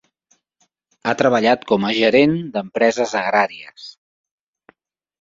Ha treballat com a gerent d'empreses agràries.